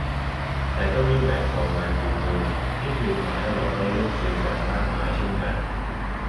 แต่ก็มีแหวนทองงานฝีมือที่ผลิตออกมาให้เราได้เลือกซื้อกันมากมายเช่นกัน